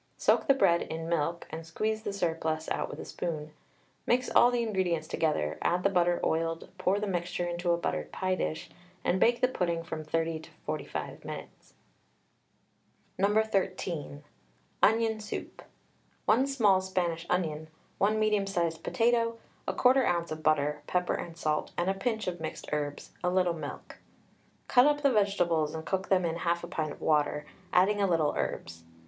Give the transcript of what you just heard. Soak the bread in milk, and squeeze the surplus out with a spoon. Mix all the ingredients together, add the butter oiled, pour the mixture into a buttered pie dish, and bake the pudding from 30 to 45 minutes. No. 13. ONION SOUP. 1 small Spanish onion, 1 medium sized potato, 1/4 oz. of butter, pepper and salt and a pinch of mixed herbs, a little milk. Cut up the vegetables and cook them in 1/2 pint of water, adding a little herbs.